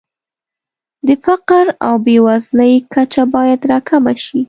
د فقر او بېوزلۍ کچه باید راکمه شي.